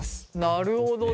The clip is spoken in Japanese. なるほどね。